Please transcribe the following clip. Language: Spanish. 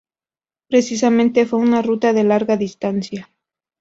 Precisamente, fue una ruta de larga distancia.